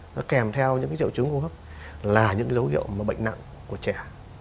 nó kèm theo những cái triệu chứng hô hấp là những cái dấu hiệu bệnh nặng của trẻ